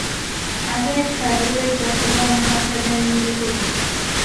Abeetab bajja kuva mu masaza ne mu bibuga.